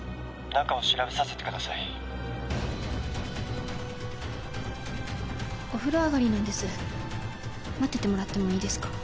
中を調べさせてくださいお風呂上がりなんです待っててもらってもいいですか？